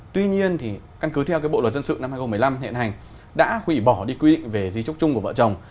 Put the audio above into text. tuy nhiên căn cứ theo bộ luật dân sự năm hai nghìn một mươi năm hiện hành đã hủy bỏ đi quy định về di trúc chung của vợ chồng